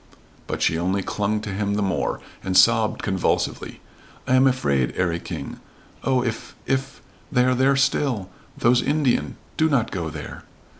But she only clung to him the more, and sobbed convulsively. "I am afraid 'Arry King. Oh, if if they are there still! Those Indian! Do not go there."